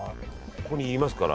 ここにいますから。